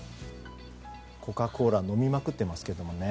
コカ・コーラ飲みまくってますけどね。